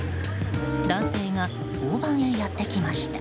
男性が交番へやってきました。